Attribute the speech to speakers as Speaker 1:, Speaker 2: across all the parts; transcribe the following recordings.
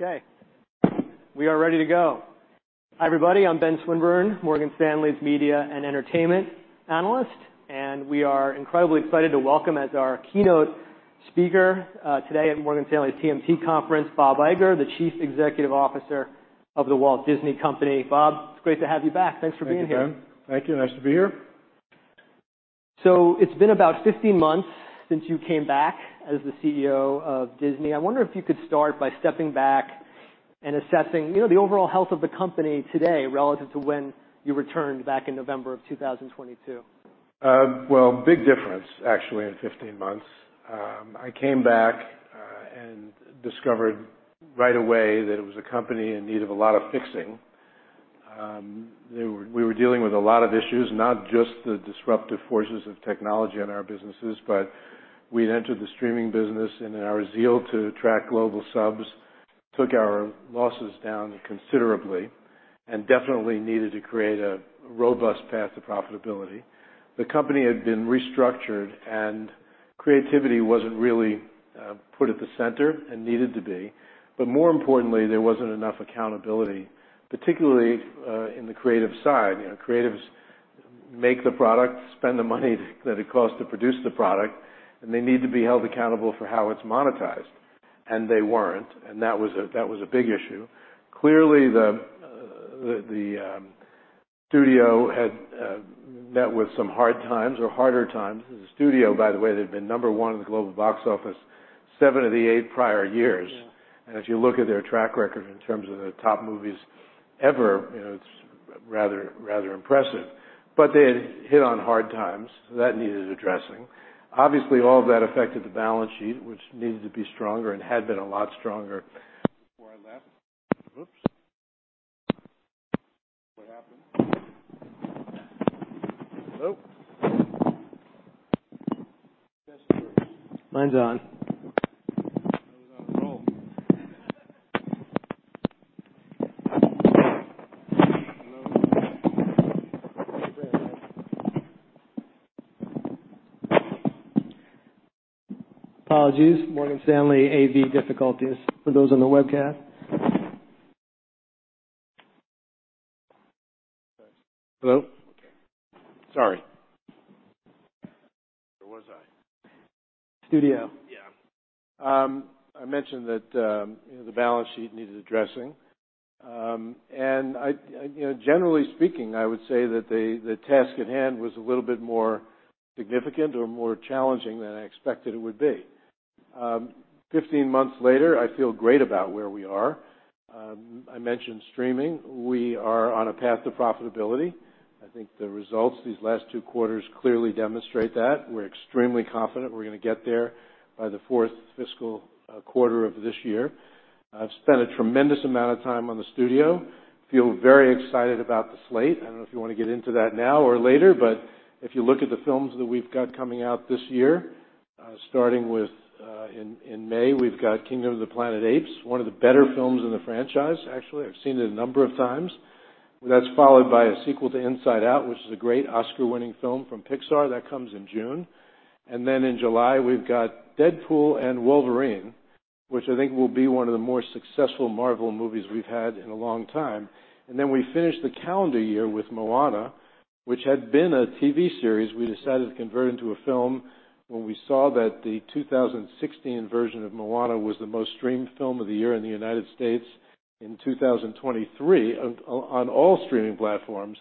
Speaker 1: Okay. We are ready to go. Hi everybody. I'm Ben Swinburne, Morgan Stanley's Media and Entertainment Analyst, and we are incredibly excited to welcome as our keynote speaker, today at Morgan Stanley's TMT Conference, Bob Iger, the Chief Executive Officer of The Walt Disney Company. Bob, it's great to have you back. Thanks for being here.
Speaker 2: Thank you, Ben. Thank you. Nice to be here.
Speaker 1: So it's been about 15 months since you came back as the CEO of Disney. I wonder if you could start by stepping back and assessing, you know, the overall health of the company today relative to when you returned back in November of 2022.
Speaker 2: Well, big difference, actually, in 15 months. I came back, and discovered right away that it was a company in need of a lot of fixing. We were dealing with a lot of issues, not just the disruptive forces of technology in our businesses, but we'd entered the streaming business and in our zeal to attract global subs, took our losses down considerably, and definitely needed to create a robust path to profitability. The company had been restructured, and creativity wasn't really put at the center and needed to be. But more importantly, there wasn't enough accountability, particularly in the creative side. You know, creatives make the product, spend the money that it costs to produce the product, and they need to be held accountable for how it's monetized. And that was a big issue. Clearly, the studio had met with some hard times or harder times. As a studio, by the way, they'd been number one in the global box office seven of the eight prior years. And if you look at their track record in terms of the top movies ever, you know, it's rather impressive. But they had hit on hard times, so that needed addressing. Obviously, all of that affected the balance sheet, which needed to be stronger and had been a lot stronger before I left. Oops. What happened? Hello.
Speaker 3: Yes, sir.
Speaker 1: Mine's on.
Speaker 2: I was on a roll. Hello.
Speaker 1: Apologies. Morgan Stanley AV difficulties for those on the webcast.
Speaker 2: Hello? Sorry. Where was I?
Speaker 1: Studio.
Speaker 2: Yeah. I mentioned that, you know, the balance sheet needed addressing. I, you know, generally speaking, I would say that the task at hand was a little bit more significant or more challenging than I expected it would be. 15 months later, I feel great about where we are. I mentioned streaming. We are on a path to profitability. I think the results these last two quarters clearly demonstrate that. We're extremely confident we're gonna get there by the fourth fiscal quarter of this year. I've spent a tremendous amount of time on the studio. Feel very excited about the slate. I don't know if you wanna get into that now or later, but if you look at the films that we've got coming out this year, starting with in May, we've got Kingdom of the Planet of the Apes, one of the better films in the franchise, actually. I've seen it a number of times. That's followed by a sequel to Inside Out, which is a great Oscar-winning film from Pixar that comes in June. And then in July, we've got Deadpool & Wolverine, which I think will be one of the more successful Marvel movies we've had in a long time. And then we finished the calendar year with Moana, which had been a TV series. We decided to convert it into a film when we saw that the 2016 version of Moana was the most streamed film of the year in the United States in 2023 on, on all streaming platforms.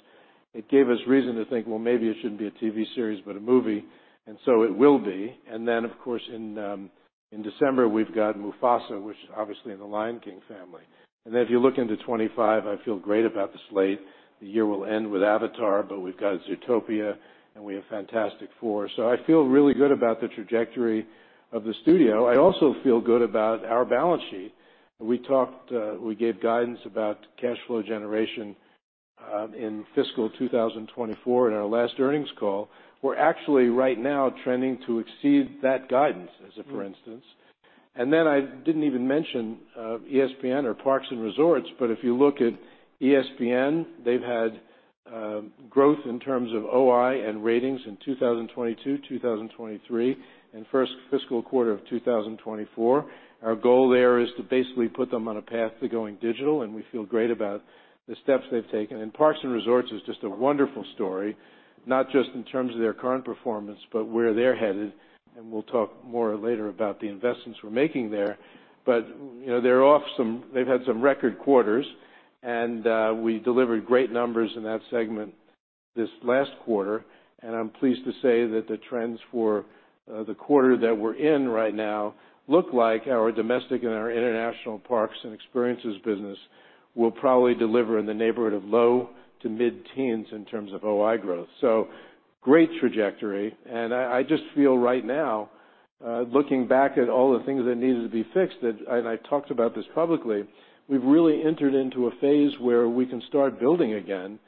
Speaker 2: It gave us reason to think, well, maybe it shouldn't be a TV series, but a movie. And so it will be. And then, of course, in, in December, we've got Mufasa, which is obviously in the Lion King family. And then if you look into 2025, I feel great about the slate. The year will end with Avatar, but we've got Zootopia, and we have Fantastic Four. So I feel really good about the trajectory of the studio. I also feel good about our balance sheet. We talked, we gave guidance about cash flow generation, in fiscal 2024 in our last earnings call. We're actually, right now, trending to exceed that guidance, as, for instance. And then I didn't even mention ESPN or Parks and Resorts, but if you look at ESPN, they've had growth in terms of OI and ratings in 2022, 2023, and first fiscal quarter of 2024. Our goal there is to basically put them on a path to going digital, and we feel great about the steps they've taken. And Parks and Resorts is just a wonderful story, not just in terms of their current performance, but where they're headed. And we'll talk more later about the investments we're making there. But, you know, they're off some they've had some record quarters, and we delivered great numbers in that segment this last quarter. I'm pleased to say that the trends for the quarter that we're in right now look like our domestic and our international parks and experiences business will probably deliver in the neighborhood of low- to mid-teens in terms of OI growth. So great trajectory. And I, I just feel right now, looking back at all the things that needed to be fixed that I and I talked about this publicly, we've really entered into a phase where we can start building again.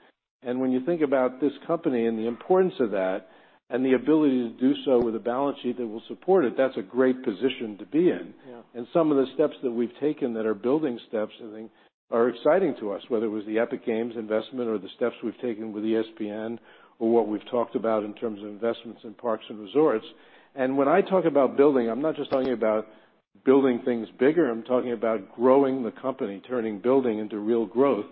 Speaker 2: And when you think about this company and the importance of that and the ability to do so with a balance sheet that will support it, that's a great position to be in. And some of the steps that we've taken that are building steps, I think, are exciting to us, whether it was the Epic Games investment or the steps we've taken with ESPN or what we've talked about in terms of investments in Parks and Resorts. And when I talk about building, I'm not just talking about building things bigger. I'm talking about growing the company, turning building into real growth.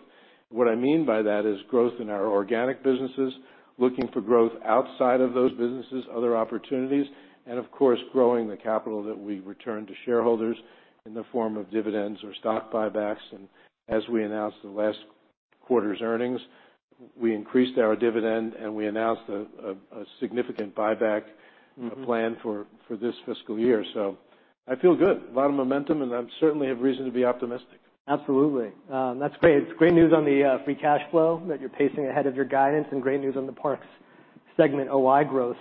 Speaker 2: What I mean by that is growth in our organic businesses, looking for growth outside of those businesses, other opportunities, and, of course, growing the capital that we return to shareholders in the form of dividends or stock buybacks. And as we announced the last quarter's earnings, we increased our dividend, and we announced a significant buyback plan for this fiscal year. I feel good, a lot of momentum, and I certainly have reason to be optimistic.
Speaker 1: Absolutely. That's great. It's great news on the free cash flow that you're pacing ahead of your guidance and great news on the parks segment OI growth.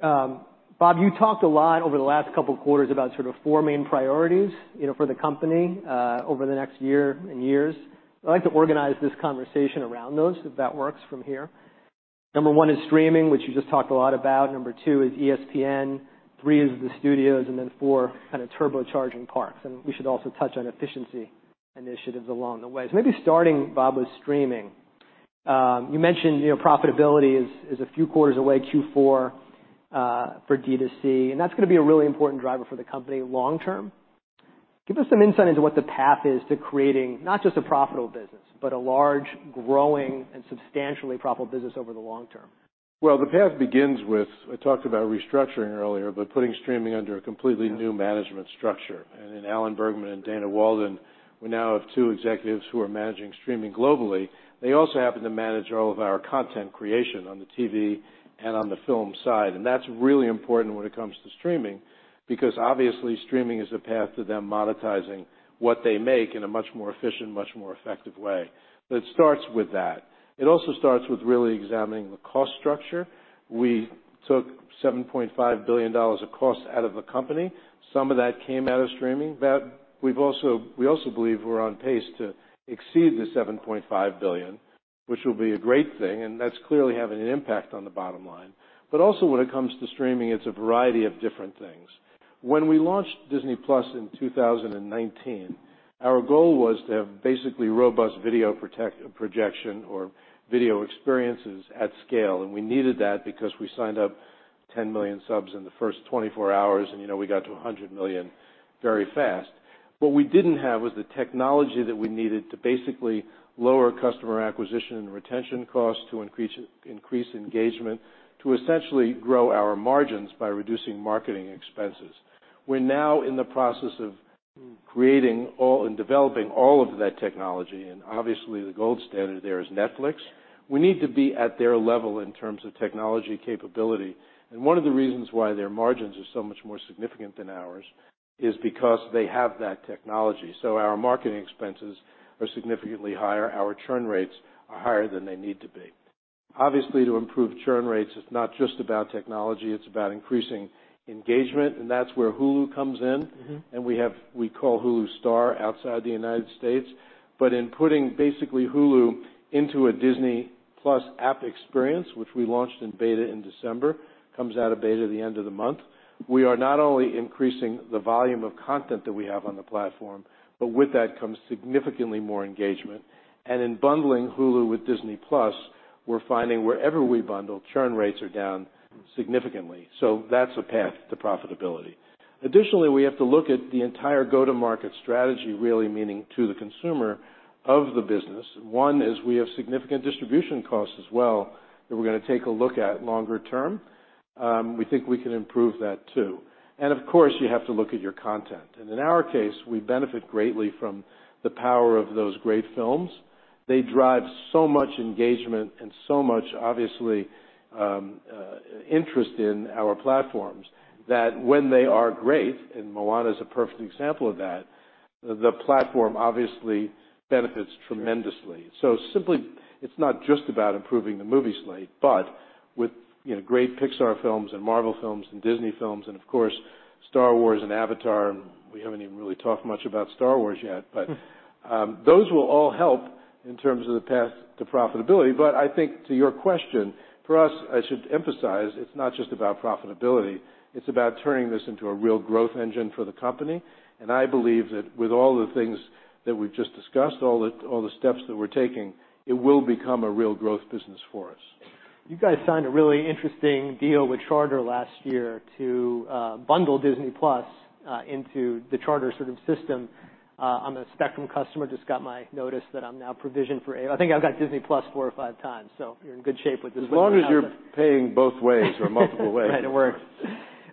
Speaker 1: Bob, you talked a lot over the last couple quarters about sort of four main priorities, you know, for the company, over the next year and years. I'd like to organize this conversation around those, if that works from here. Number one is streaming, which you just talked a lot about. Number two is ESPN. Three is the studios. And then four, kind of, turbocharging parks. And we should also touch on efficiency initiatives along the way. So maybe starting, Bob, with streaming. You mentioned, you know, profitability is a few quarters away, Q4, for D2C. And that's gonna be a really important driver for the company long term. Give us some insight into what the path is to creating not just a profitable business, but a large, growing, and substantially profitable business over the long term?
Speaker 2: Well, the path begins with, I talked about restructuring earlier, but putting streaming under a completely new management structure. And in Alan Bergman and Dana Walden, we now have two executives who are managing streaming globally. They also happen to manage all of our content creation on the TV and on the film side. And that's really important when it comes to streaming because, obviously, streaming is a path to them monetizing what they make in a much more efficient, much more effective way. But it starts with that. It also starts with really examining the cost structure. We took $7.5 billion of costs out of the company. Some of that came out of streaming. But we also believe we're on pace to exceed the $7.5 billion, which will be a great thing. And that's clearly having an impact on the bottom line. But also, when it comes to streaming, it's a variety of different things. When we launched Disney+ in 2019, our goal was to have basically robust video protection, projection or video experiences at scale. And we needed that because we signed up 10 million subs in the first 24 hours, and, you know, we got to 100 million very fast. What we didn't have was the technology that we needed to basically lower customer acquisition and retention costs to increase engagement, to essentially grow our margins by reducing marketing expenses. We're now in the process of creating and developing all of that technology. And obviously, the gold standard there is Netflix. We need to be at their level in terms of technology capability. And one of the reasons why their margins are so much more significant than ours is because they have that technology. So our marketing expenses are significantly higher. Our churn rates are higher than they need to be. Obviously, to improve churn rates, it's not just about technology. It's about increasing engagement. And that's where Hulu comes in. And we call Hulu Star outside the United States. But putting, basically, Hulu into a Disney+ app experience, which we launched in beta in December, comes out of beta at the end of the month, we are not only increasing the volume of content that we have on the platform, but with that comes significantly more engagement. And in bundling Hulu with Disney+, we're finding wherever we bundle, churn rates are down significantly. So that's a path to profitability. Additionally, we have to look at the entire go-to-market strategy, really, meaning to the consumer of the business. One is we have significant distribution costs as well that we're gonna take a look at longer term. We think we can improve that too. And of course, you have to look at your content. And in our case, we benefit greatly from the power of those great films. They drive so much engagement and so much, obviously, interest in our platforms that when they are great - and Moana's a perfect example of that - the platform, obviously, benefits tremendously. So simply, it's not just about improving the movie slate, but with, you know, great Pixar films and Marvel films and Disney films and, of course, Star Wars and Avatar - we haven't even really talked much about Star Wars yet - but, those will all help in terms of the path to profitability. I think, to your question, for us, I should emphasize, it's not just about profitability. It's about turning this into a real growth engine for the company. I believe that with all the things that we've just discussed, all the steps that we're taking, it will become a real growth business for us.
Speaker 1: You guys signed a really interesting deal with Charter last year to bundle Disney+ into the Charter sort of system. I'm a Spectrum customer. Just got my notice that I'm now provisioned for. I think I've got Disney+ four or five times. So you're in good shape with this what you've done.
Speaker 2: As long as you're paying both ways or multiple ways.
Speaker 1: Right. It works.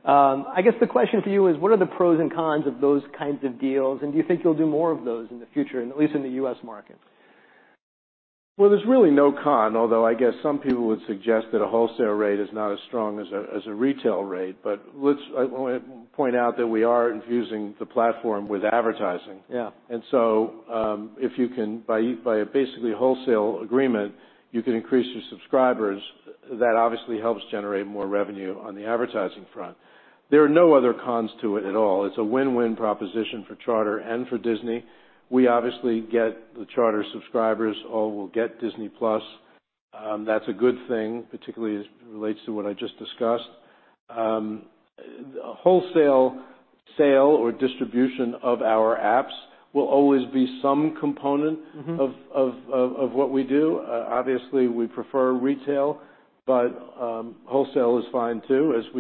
Speaker 1: I guess the question for you is, what are the pros and cons of those kinds of deals? And do you think you'll do more of those in the future, at least in the U.S. market?
Speaker 2: Well, there's really no con, although I guess some people would suggest that a wholesale rate is not as strong as a retail rate. But I want to point out that we are infusing the platform with advertising. And so, if you can by a basically wholesale agreement, you can increase your subscribers, that obviously helps generate more revenue on the advertising front. There are no other cons to it at all. It's a win-win proposition for Charter and for Disney. We obviously get the Charter subscribers. All will get Disney+. That's a good thing, particularly as it relates to what I just discussed. The wholesale sale or distribution of our apps will always be some component of what we do. Obviously, we prefer retail, but wholesale is fine too as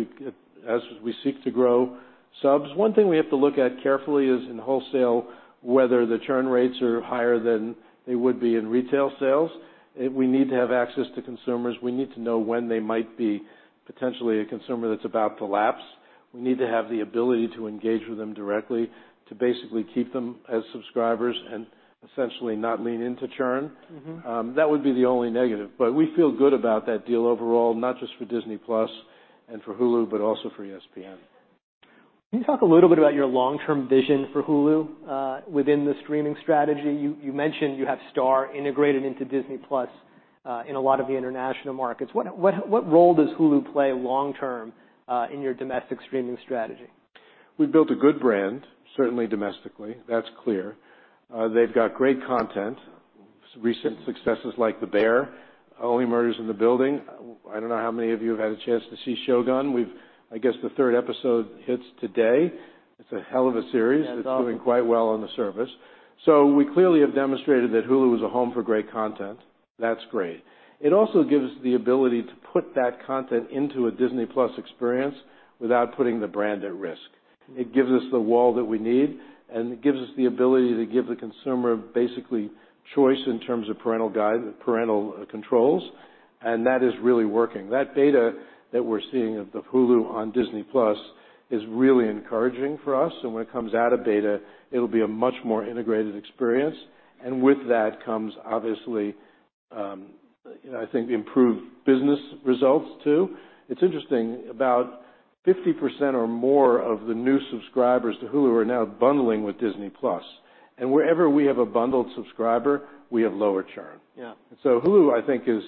Speaker 2: we seek to grow subs. One thing we have to look at carefully is in wholesale, whether the churn rates are higher than they would be in retail sales. We need to have access to consumers. We need to know when they might be potentially a consumer that's about to lapse. We need to have the ability to engage with them directly, to basically keep them as subscribers and essentially not lean into churn. That would be the only negative. But we feel good about that deal overall, not just for Disney+ and for Hulu, but also for ESPN.
Speaker 1: Can you talk a little bit about your long-term vision for Hulu, within the streaming strategy? You mentioned you have Star integrated into Disney+, in a lot of the international markets. What role does Hulu play long term, in your domestic streaming strategy?
Speaker 2: We've built a good brand, certainly domestically. That's clear. They've got great content, recent successes like The Bear, Only Murders in the Building. I don't know how many of you have had a chance to see Shōgun. We've, I guess, the third episode hits today. It's a hell of a series. It's doing quite well on the service. So we clearly have demonstrated that Hulu is a home for great content. That's great. It also gives the ability to put that content into a Disney+ experience without putting the brand at risk. It gives us the wall that we need, and it gives us the ability to give the consumer basically choice in terms of parental guide parental controls. That is really working. That beta that we're seeing of the Hulu on Disney+ is really encouraging for us. When it comes out of beta, it'll be a much more integrated experience. With that comes, obviously, you know, I think improved business results too. It's interesting about 50% or more of the new subscribers to Hulu are now bundling with Disney+. Wherever we have a bundled subscriber, we have lower churn. So Hulu, I think, is,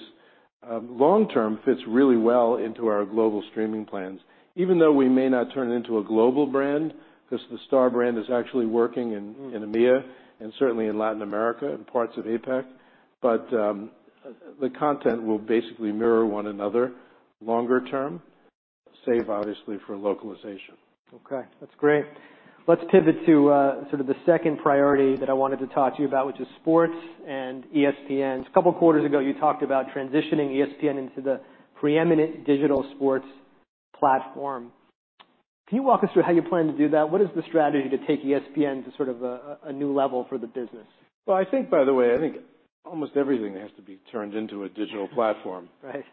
Speaker 2: long-term fits really well into our global streaming plans, even though we may not turn it into a global brand 'cause the Star brand is actually working in EMEA and certainly in Latin America and parts of APAC. But the content will basically mirror one another longer term, save, obviously, for localization.
Speaker 1: Okay. That's great. Let's pivot to, sort of the second priority that I wanted to talk to you about, which is sports and ESPN. A couple quarters ago, you talked about transitioning ESPN into the preeminent digital sports platform. Can you walk us through how you plan to do that? What is the strategy to take ESPN to sort of a new level for the business?
Speaker 2: Well, I think, by the way, I think almost everything has to be turned into a digital platform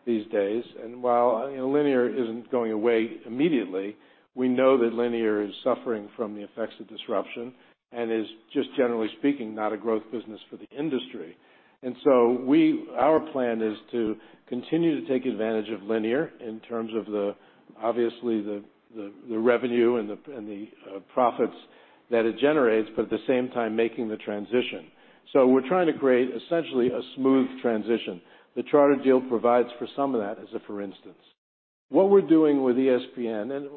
Speaker 2: these days. And while, you know, linear isn't going away immediately, we know that linear is suffering from the effects of disruption and is just, generally speaking, not a growth business for the industry. And so our plan is to continue to take advantage of linear in terms of the obviously, the revenue and the profits that it generates, but at the same time, making the transition. So we're trying to create, essentially, a smooth transition. The Charter deal provides for some of that as a, for instance. What we're doing with ESPN and,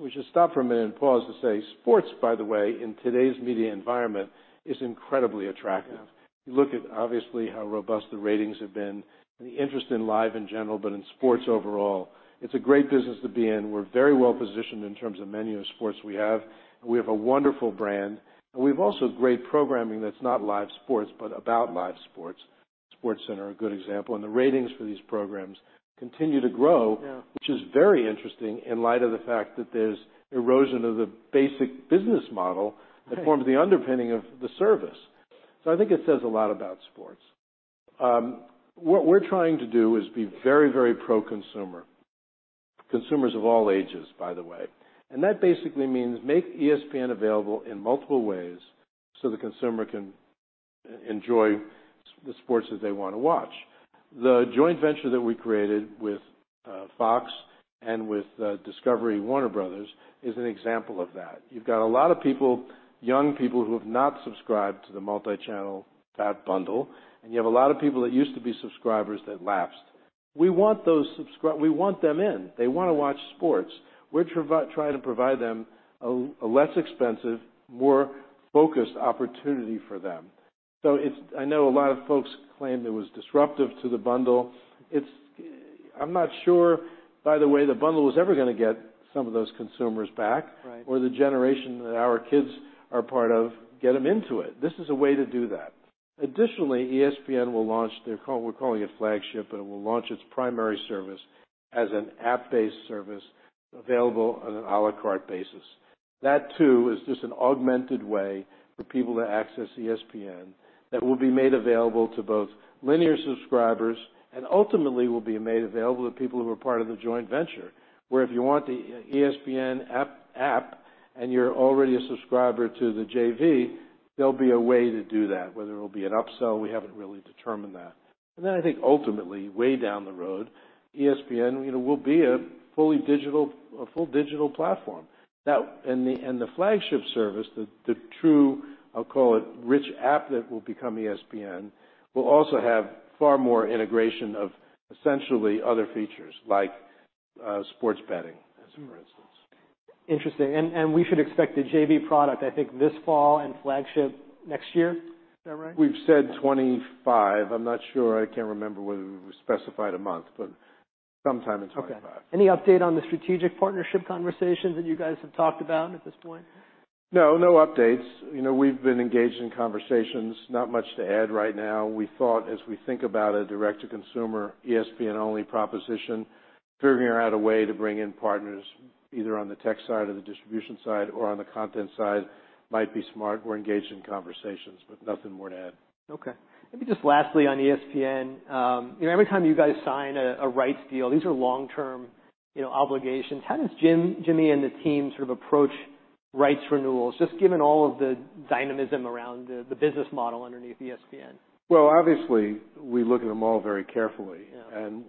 Speaker 2: we should stop for a minute and pause to say sports, by the way, in today's media environment is incredibly attractive. You look at, obviously, how robust the ratings have been and the interest in live in general, but in sports overall. It's a great business to be in. We're very well positioned in terms of menu of sports we have. We have a wonderful brand. And we have also great programming that's not live sports but about live sports. SportsCenter is a good example. And the ratings for these programs continue to grow, which is very interesting in light of the fact that there's erosion of the basic business model that forms the underpinning of the service. So I think it says a lot about sports. What we're trying to do is be very, very pro-consumer, consumers of all ages, by the way. And that basically means make ESPN available in multiple ways so the consumer can enjoy the sports that they wanna watch. The joint venture that we created with Fox and with Warner Bros. Discovery is an example of that. You've got a lot of people, young people, who have not subscribed to the multichannel fat bundle. You have a lot of people that used to be subscribers that lapsed. We want them in. They wanna watch sports. We're trying to provide them a less expensive, more focused opportunity for them. So it's. I know a lot of folks claimed it was disruptive to the bundle. It's. I'm not sure, by the way, the bundle was ever gonna get some of those consumers back or the generation that our kids are part of get them into it. This is a way to do that. Additionally, ESPN will launch their call we're calling it Flagship, but it will launch its primary service as an app-based service available on an à la carte basis. That too is just an augmented way for people to access ESPN that will be made available to both linear subscribers and ultimately will be made available to people who are part of the joint venture, where if you want the ESPN app and you're already a subscriber to the JV, there'll be a way to do that, whether it'll be an upsell. We haven't really determined that. And then I think, ultimately, way down the road, ESPN, you know, will be a fully digital a full digital platform. That and the Flagship service, the true, I'll call it, rich app that will become ESPN will also have far more integration of, essentially, other features like sports betting, for instance.
Speaker 1: Interesting. And we should expect the JV product, I think, this fall and Flagship next year. Is that right?
Speaker 2: We've said 2025. I'm not sure. I can't remember whether we specified a month, but sometime in 2025.
Speaker 1: Okay. Any update on the strategic partnership conversations that you guys have talked about at this point?
Speaker 2: No. No updates. You know, we've been engaged in conversations. Not much to add right now. We thought, as we think about a direct-to-consumer, ESPN-only proposition, figuring out a way to bring in partners either on the tech side or the distribution side or on the content side might be smart. We're engaged in conversations, but nothing more to add.
Speaker 1: Okay. Maybe just lastly on ESPN, you know, every time you guys sign a rights deal, these are long-term, you know, obligations. How does Jim, Jimmy, and the team sort of approach rights renewals, just given all of the dynamism around the business model underneath ESPN?
Speaker 2: Well, obviously, we look at them all very carefully. And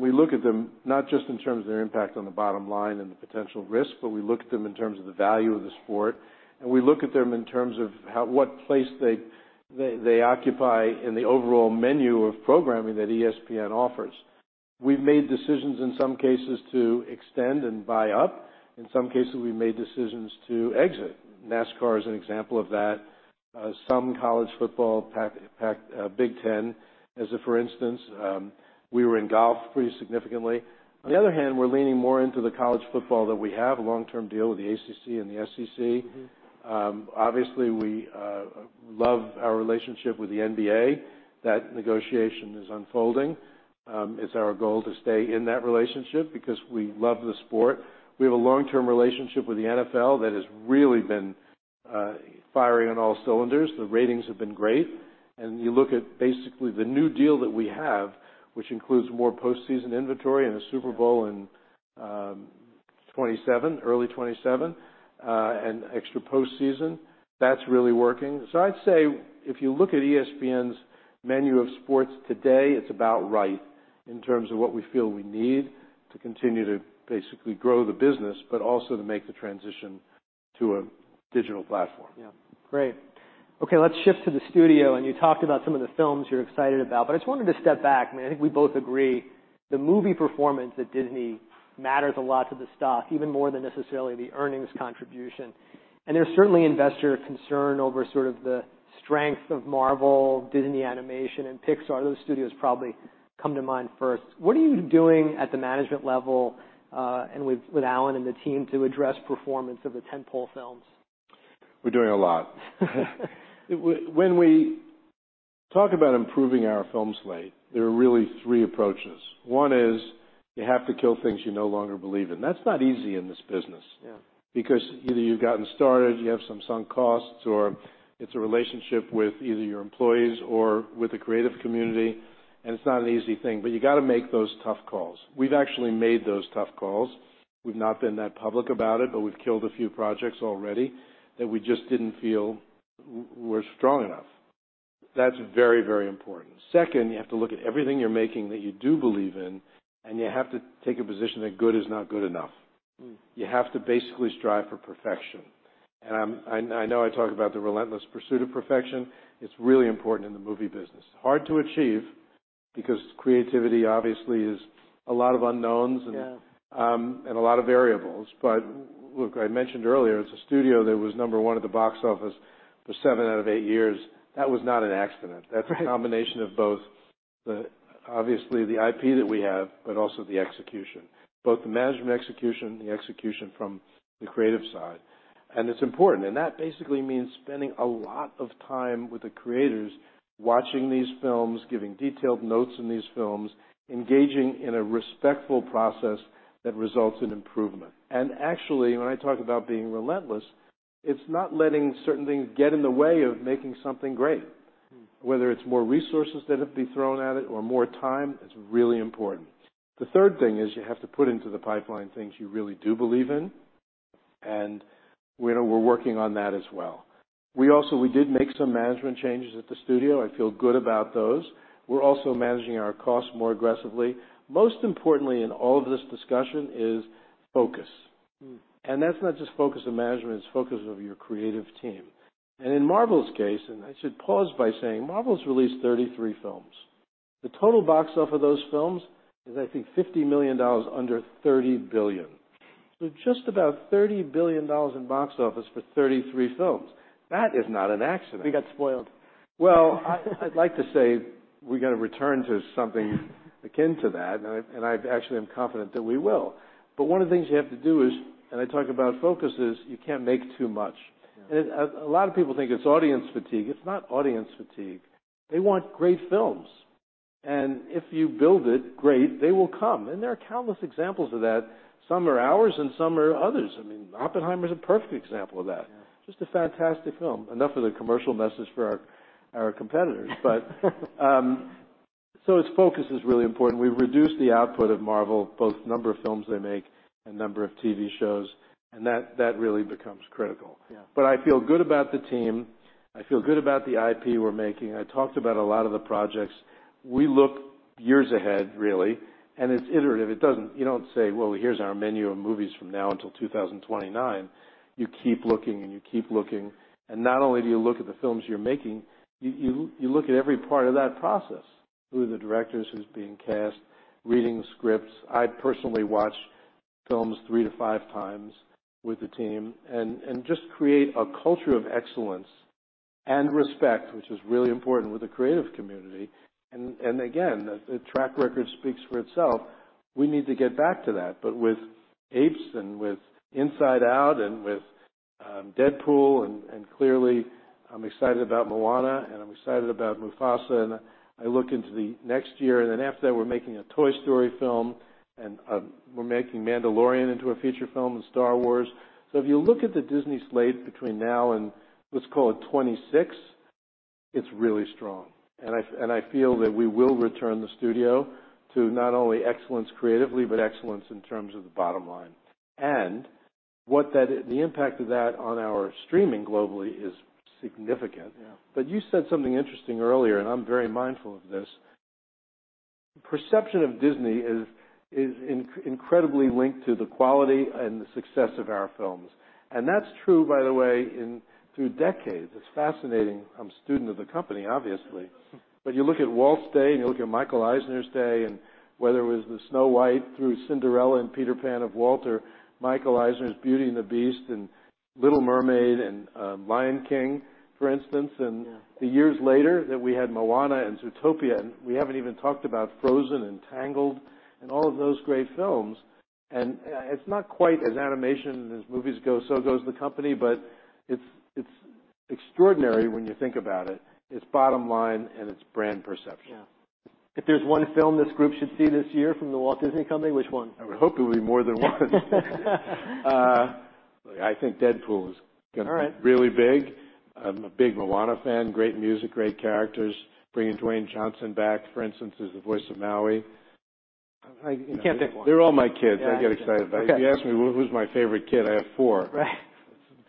Speaker 2: we look at them not just in terms of their impact on the bottom line and the potential risk, but we look at them in terms of the value of the sport. And we look at them in terms of how what place they occupy in the overall menu of programming that ESPN offers. We've made decisions, in some cases, to extend and buy up. In some cases, we've made decisions to exit. NASCAR is an example of that. Some college football Pac-12, Big Ten as a for instance. We were in golf pretty significantly. On the other hand, we're leaning more into the college football that we have, a long-term deal with the ACC and the SEC. Obviously, we love our relationship with the NBA. That negotiation is unfolding. It's our goal to stay in that relationship because we love the sport. We have a long-term relationship with the NFL that has really been firing on all cylinders. The ratings have been great. And you look at, basically, the new deal that we have, which includes more postseason inventory and the Super Bowl in 2027, early 2027, and extra postseason; that's really working. So I'd say if you look at ESPN's menu of sports today, it's about right in terms of what we feel we need to continue to basically grow the business, but also to make the transition to a digital platform.
Speaker 1: Yeah. Great. Okay. Let's shift to the studio. And you talked about some of the films you're excited about. But I just wanted to step back. I mean, I think we both agree, the movie performance at Disney matters a lot to the stock, even more than necessarily the earnings contribution. And there's certainly investor concern over sort of the strength of Marvel, Disney Animation, and Pixar. Those studios probably come to mind first. What are you doing at the management level, and with, with Alan and the team to address performance of the tentpole films?
Speaker 2: We're doing a lot. When we talk about improving our film slate, there are really three approaches. One is you have to kill things you no longer believe in. That's not easy in this business because either you've gotten started, you have some sunk costs, or it's a relationship with either your employees or with the creative community. And it's not an easy thing. But you gotta make those tough calls. We've actually made those tough calls. We've not been that public about it, but we've killed a few projects already that we just didn't feel were strong enough. That's very, very important. Second, you have to look at everything you're making that you do believe in, and you have to take a position that good is not good enough. You have to basically strive for perfection. And I know I talk about the relentless pursuit of perfection. It's really important in the movie business. Hard to achieve because creativity, obviously, is a lot of unknowns and a lot of variables. But look, I mentioned earlier, it's a studio that was number one at the box office for seven out of eight years. That was not an accident. That's a combination of both the, obviously, the IP that we have, but also the execution, both the management execution, the execution from the creative side. And it's important. And that basically means spending a lot of time with the creators, watching these films, giving detailed notes in these films, engaging in a respectful process that results in improvement. And actually, when I talk about being relentless, it's not letting certain things get in the way of making something great. Whether it's more resources that have to be thrown at it or more time, it's really important. The third thing is you have to put into the pipeline things you really do believe in. And, you know, we're working on that as well. We also did make some management changes at the studio. I feel good about those. We're also managing our costs more aggressively. Most importantly in all of this discussion is focus. And that's not just focus of management. It's focus of your creative team. And in Marvel's case and I should pause by saying, Marvel's released 33 films. The total box office of those films is, I think, $50 million under $30 billion. So just about $30 billion in box office for 33 films. That is not an accident.
Speaker 1: We got spoiled.
Speaker 2: Well, I'd like to say we're gonna return to something akin to that. And I actually am confident that we will. But one of the things you have to do is, and I talk about focus, is you can't make too much. And a lot of people think it's audience fatigue. It's not audience fatigue. They want great films. And if you build it, great, they will come. And there are countless examples of that. Some are ours, and some are others. I mean, Oppenheimer's a perfect example of that, just a fantastic film, enough of the commercial message for our competitors. But so it's focus is really important. We've reduced the output of Marvel, both number of films they make and number of TV shows. And that really becomes critical. But I feel good about the team. I feel good about the IP we're making. I talked about a lot of the projects. We look years ahead, really. It's iterative. It doesn't—you don't say, "Well, here's our menu of movies from now until 2029." You keep looking, and you keep looking. Not only do you look at the films you're making, you look at every part of that process, who are the directors, who's being cast, reading the scripts. I personally watch films three to five times with the team and just create a culture of excellence and respect, which is really important with the creative community. And again, the track record speaks for itself. We need to get back to that. But with Apes and with Inside Out and with Deadpool and clearly, I'm excited about Moana, and I'm excited about Mufasa. I look into the next year. And then after that, we're making a Toy Story film. And we're making Mandalorian into a feature film and Star Wars. So if you look at the Disney slate between now and, let's call it, 2026, it's really strong. And I, and I feel that we will return the studio to not only excellence creatively, but excellence in terms of the bottom line. And what that the impact of that on our streaming globally is significant. But you said something interesting earlier, and I'm very mindful of this. Perception of Disney is, is incredibly linked to the quality and the success of our films. And that's true, by the way, in through decades. It's fascinating. I'm a student of the company, obviously. But you look at Walt's day, and you look at Michael Eisner's day and whether it was Snow White through Cinderella and Peter Pan of Walt, Michael Eisner's Beauty and the Beast and Little Mermaid and Lion King, for instance. Then years later that we had Moana and Zootopia, and we haven't even talked about Frozen and Tangled and all of those great films. It's not quite as animation and movies go. So goes the company. But it's extraordinary when you think about it, its bottom line, and its brand perception.
Speaker 1: Yeah. If there's one film this group should see this year from The Walt Disney Company, which one?
Speaker 2: I would hope it would be more than one. I think Deadpool is gonna be really big. I'm a big Moana fan, great music, great characters. Bringing Dwayne Johnson back, for instance, is the voice of Maui.
Speaker 1: You can't pick one.
Speaker 2: They're all my kids. I get excited about it. If you ask me who's my favorite kid, I have four.
Speaker 1: Right.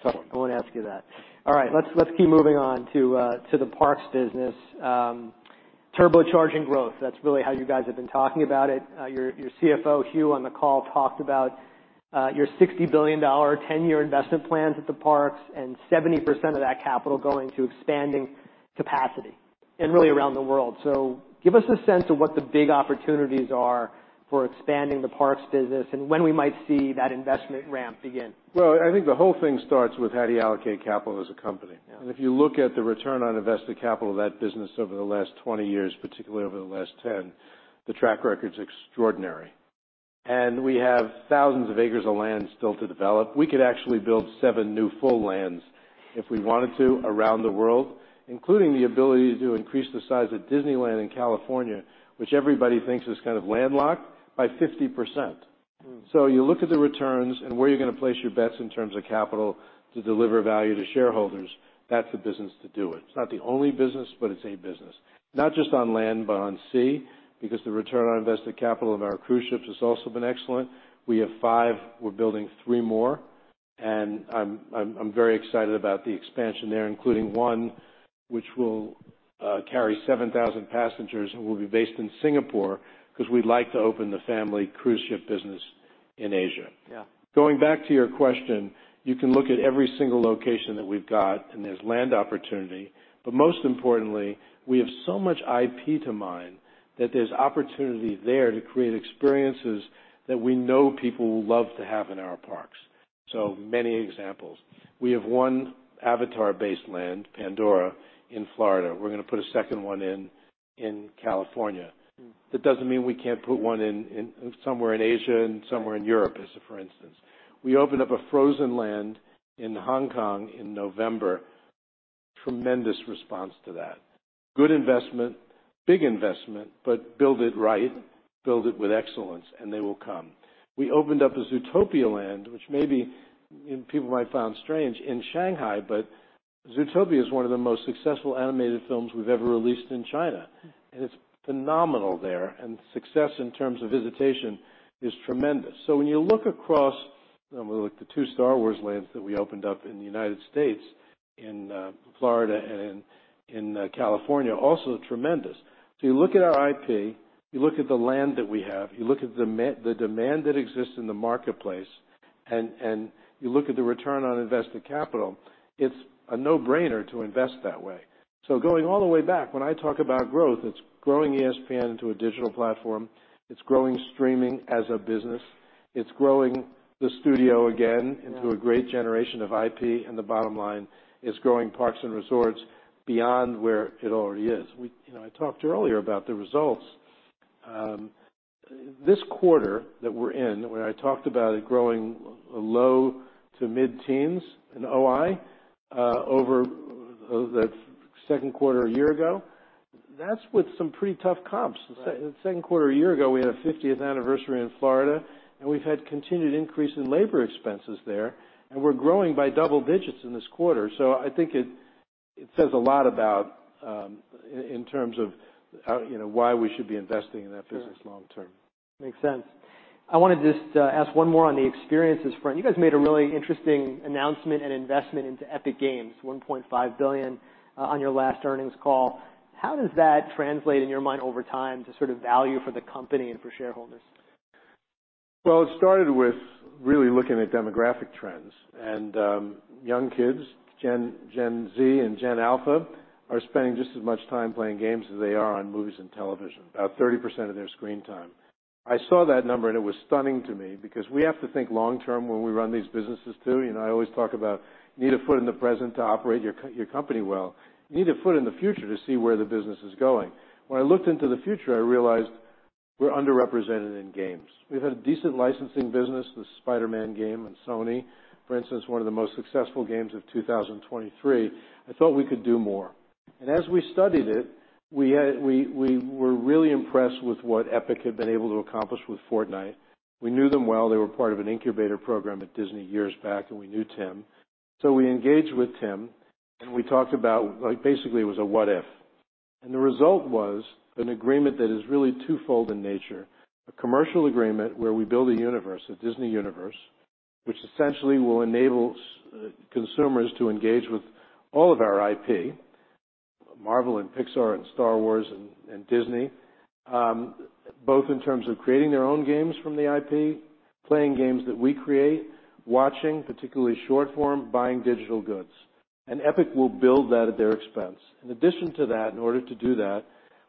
Speaker 1: I wanna ask you that. All right. Let's, let's keep moving on to, to the parks business. Turbocharging growth. That's really how you guys have been talking about it. Your, your CFO, Hugh, on the call talked about your $60 billion 10-year investment plans at the parks and 70% of that capital going to expanding capacity and really around the world. So give us a sense of what the big opportunities are for expanding the parks business and when we might see that investment ramp begin.
Speaker 2: Well, I think the whole thing starts with how do you allocate capital as a company. If you look at the return on invested capital of that business over the last 20 years, particularly over the last 10, the track record's extraordinary. We have thousands of acres of land still to develop. We could actually build seven new full lands if we wanted to around the world, including the ability to increase the size of Disneyland in California, which everybody thinks is kind of landlocked, by 50%. So you look at the returns and where you're gonna place your bets in terms of capital to deliver value to shareholders. That's the business to do it. It's not the only business, but it's a business, not just on land but on sea because the return on invested capital of our cruise ships has also been excellent. We have five. We're building three more. I'm very excited about the expansion there, including one which will carry 7,000 passengers and will be based in Singapore 'cause we'd like to open the family cruise ship business in Asia. Going back to your question, you can look at every single location that we've got, and there's land opportunity. But most importantly, we have so much IP to mine that there's opportunity there to create experiences that we know people will love to have in our parks. So many examples. We have one Avatar-based land, Pandora, in Florida. We're gonna put a second one in California. That doesn't mean we can't put one in somewhere in Asia and somewhere in Europe, as a for instance. We opened up a Frozen land in Hong Kong in November. Tremendous response to that. Good investment, big investment, but build it right, build it with excellence, and they will come. We opened up a Zootopia land, which maybe, you know, people might find strange, in Shanghai. But Zootopia is one of the most successful animated films we've ever released in China. And it's phenomenal there. And success in terms of visitation is tremendous. So when you look across and we look at the two Star Wars lands that we opened up in the United States, in Florida and in California, also tremendous. So you look at our IP, you look at the land that we have, you look at the demand that exists in the marketplace, and you look at the return on invested capital, it's a no-brainer to invest that way. So going all the way back, when I talk about growth, it's growing ESPN into a digital platform. It's growing streaming as a business. It's growing the studio again into a great generation of IP. And the bottom line, it's growing parks and resorts beyond where it already is. We, you know, I talked earlier about the results this quarter that we're in, where I talked about it growing low- to mid-teens in OI, over the second quarter a year ago, that's with some pretty tough comps. The second quarter a year ago, we had a 50th anniversary in Florida. And we've had continued increase in labor expenses there. And we're growing by double digits in this quarter. So I think it, it says a lot about, in terms of, you know, why we should be investing in that business long term.
Speaker 1: Makes sense. I wanna just, ask one more on the experiences front. You guys made a really interesting announcement and investment into Epic Games, $1.5 billion, on your last earnings call. How does that translate, in your mind, over time to sort of value for the company and for shareholders?
Speaker 2: Well, it started with really looking at demographic trends. Young kids, Gen Z and Gen Alpha, are spending just as much time playing games as they are on movies and television, about 30% of their screen time. I saw that number, and it was stunning to me because we have to think long term when we run these businesses too. You know, I always talk about you need a foot in the present to operate your company well. You need a foot in the future to see where the business is going. When I looked into the future, I realized we're underrepresented in games. We've had a decent licensing business, the Spider-Man game and Sony, for instance, one of the most successful games of 2023. I thought we could do more. And as we studied it, we were really impressed with what Epic had been able to accomplish with Fortnite. We knew them well. They were part of an incubator program at Disney years back, and we knew Tim. So we engaged with Tim, and we talked about, like, basically, it was a what if. And the result was an agreement that is really twofold in nature, a commercial agreement where we build a universe, a Disney universe, which essentially will enable consumers to engage with all of our IP, Marvel and Pixar and Star Wars and Disney, both in terms of creating their own games from the IP, playing games that we create, watching, particularly short form, buying digital goods. And Epic will build that at their expense. In addition to that, in order to do that,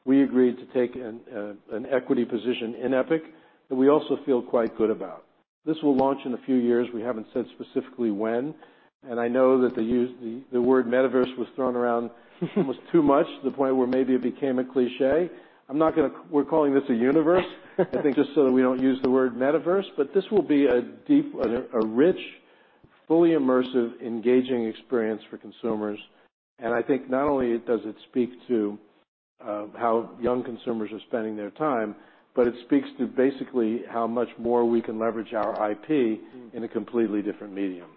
Speaker 2: we agreed to take an equity position in Epic that we also feel quite good about. This will launch in a few years. We haven't said specifically when. And I know that the use of the word metaverse was thrown around almost too much to the point where maybe it became a cliché. I'm not gonna. We're calling this a universe, I think, just so that we don't use the word metaverse. But this will be a deep, rich, fully immersive, engaging experience for consumers. And I think not only does it speak to how young consumers are spending their time, but it speaks to basically how much more we can leverage our IP in a completely different medium.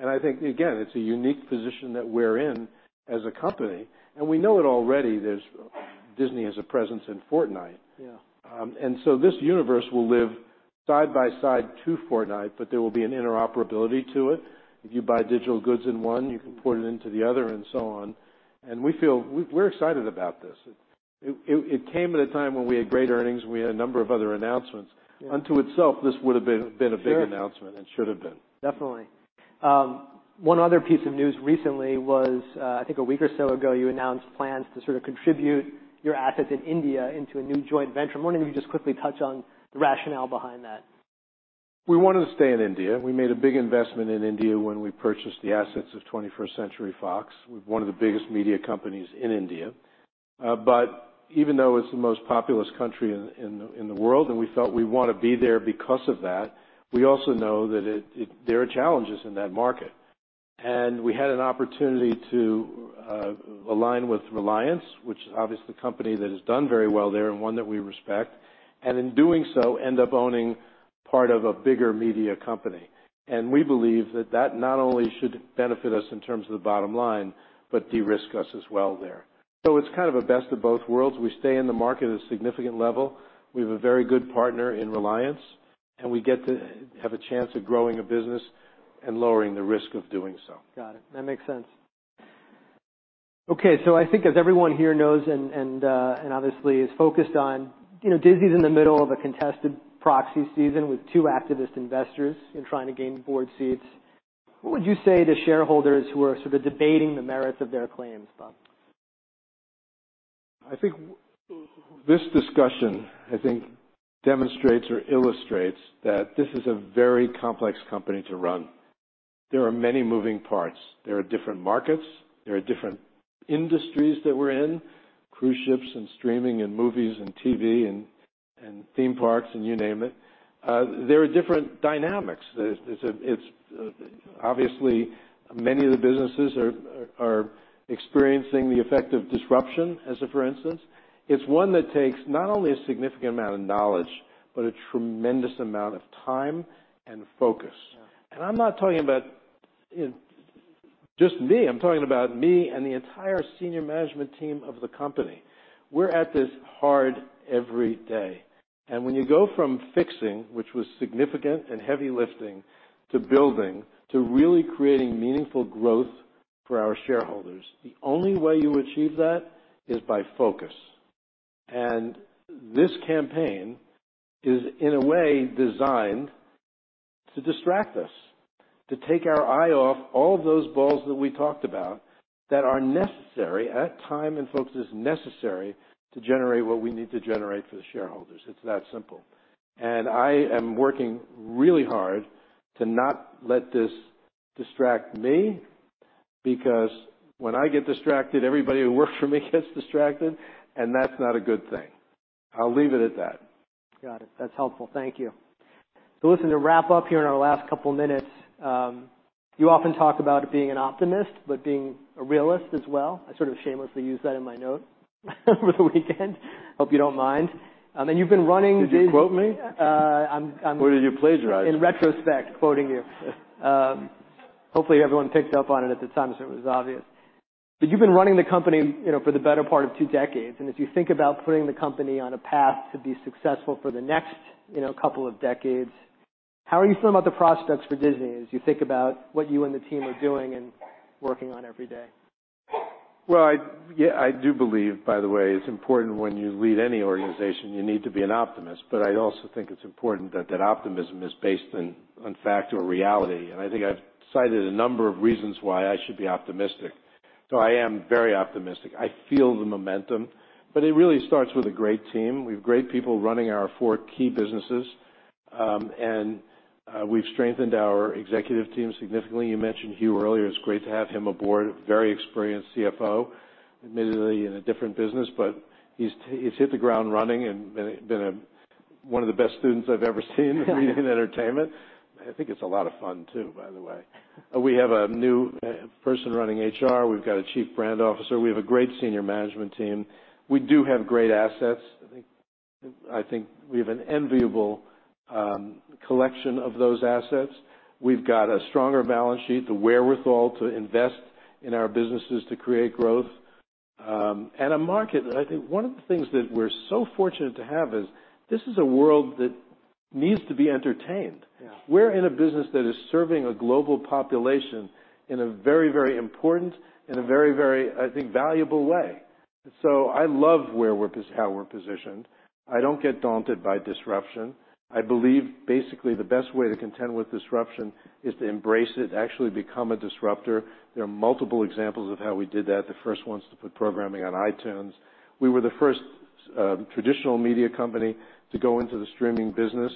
Speaker 2: And I think, again, it's a unique position that we're in as a company. And we know it already. Disney has a presence in Fortnite. So this universe will live side by side to Fortnite, but there will be an interoperability to it. If you buy digital goods in one, you can port it into the other and so on. And we feel we're excited about this. It came at a time when we had great earnings, and we had a number of other announcements. Unto itself, this would have been a big announcement and should have been.
Speaker 1: Definitely. One other piece of news recently was, I think a week or so ago, you announced plans to sort of contribute your assets in India into a new joint venture. I'm wondering if you could just quickly touch on the rationale behind that.
Speaker 2: We wanted to stay in India. We made a big investment in India when we purchased the assets of 21st Century Fox, one of the biggest media companies in India. Even though it's the most populous country in the world, and we felt we want to be there because of that, we also know that there are challenges in that market. We had an opportunity to align with Reliance, which is obviously a company that has done very well there and one that we respect, and in doing so, end up owning part of a bigger media company. We believe that that not only should benefit us in terms of the bottom line, but de-risk us as well there. It's kind of a best of both worlds. We stay in the market at a significant level. We have a very good partner in Reliance, and we get to have a chance of growing a business and lowering the risk of doing so.
Speaker 1: Got it. That makes sense. Okay. So I think, as everyone here knows and obviously is focused on, you know, Disney's in the middle of a contested proxy season with two activist investors in trying to gain board seats. What would you say to shareholders who are sort of debating the merits of their claims, Bob?
Speaker 2: I think this discussion demonstrates or illustrates that this is a very complex company to run. There are many moving parts. There are different markets. There are different industries that we're in, cruise ships and streaming and movies and TV and theme parks and you name it. There are different dynamics. It's obviously many of the businesses are experiencing the effect of disruption, as for instance. It's one that takes not only a significant amount of knowledge, but a tremendous amount of time and focus. And I'm not talking about, you know, just me. I'm talking about me and the entire senior management team of the company. We're at this hard every day. When you go from fixing, which was significant and heavy lifting, to building, to really creating meaningful growth for our shareholders, the only way you achieve that is by focus. This campaign is, in a way, designed to distract us, to take our eye off all of those balls that we talked about that are necessary at time and focus is necessary to generate what we need to generate for the shareholders. It's that simple. I am working really hard to not let this distract me because when I get distracted, everybody who works for me gets distracted, and that's not a good thing. I'll leave it at that.
Speaker 1: Got it. That's helpful. Thank you. So listen, to wrap up here in our last couple minutes, you often talk about being an optimist but being a realist as well. I sort of shamelessly used that in my note over the weekend. Hope you don't mind. And you've been running this.
Speaker 2: Did you quote me?
Speaker 1: I'm, I'm.
Speaker 2: What did you plagiarize?
Speaker 1: In retrospect, quoting you. Hopefully, everyone picked up on it at the time, so it was obvious. But you've been running the company, you know, for the better part of two decades. As you think about putting the company on a path to be successful for the next, you know, couple of decades, how are you feeling about the prospects for Disney as you think about what you and the team are doing and working on every day?
Speaker 2: Well, yeah, I do believe, by the way, it's important when you lead any organization, you need to be an optimist. But I also think it's important that that optimism is based on factual reality. And I think I've cited a number of reasons why I should be optimistic. So I am very optimistic. I feel the momentum, but it really starts with a great team. We have great people running our four key businesses, and we've strengthened our executive team significantly. You mentioned Hugh earlier. It's great to have him aboard, a very experienced CFO, admittedly in a different business. But he's hit the ground running and been one of the best students I've ever seen in entertainment. I think it's a lot of fun too, by the way. We have a new person running HR. We've got a Chief Brand Officer. We have a great senior management team. We do have great assets. I think we have an enviable collection of those assets. We've got a stronger balance sheet, the wherewithal to invest in our businesses to create growth, and a market. I think one of the things that we're so fortunate to have is this is a world that needs to be entertained. We're in a business that is serving a global population in a very, very important, in a very, very, I think, valuable way. So I love where we're how we're positioned. I don't get daunted by disruption. I believe, basically, the best way to contend with disruption is to embrace it, actually become a disruptor. There are multiple examples of how we did that. The first one's to put programming on iTunes. We were the first traditional media company to go into the streaming business.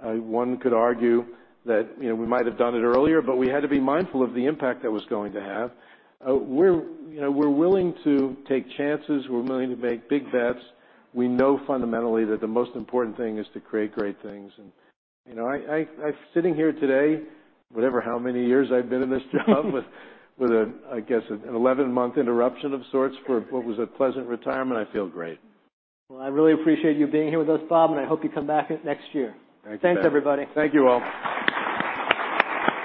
Speaker 2: One could argue that, you know, we might have done it earlier, but we had to be mindful of the impact that was going to have. We're, you know, we're willing to take chances. We're willing to make big bets. We know fundamentally that the most important thing is to create great things. And, you know, I sitting here today, whatever how many years I've been in this job with, with a, I guess, an 11-month interruption of sorts for what was a pleasant retirement, I feel great.
Speaker 1: Well, I really appreciate you being here with us, Bob. I hope you come back next year.
Speaker 2: Thanks, guys.
Speaker 1: Thanks, everybody.
Speaker 2: Thank you all.